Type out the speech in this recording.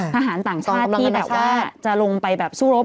ทหารต่างชาติที่จะลงไปสู้รบ